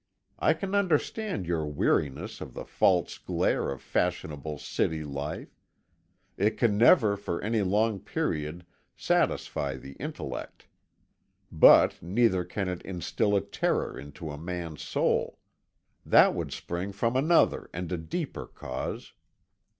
I can understand your weariness of the false glare of fashionable city life; it can never for any long period satisfy the intellect. But neither can it instil a terror into a man's soul. That would spring from another and a deeper cause."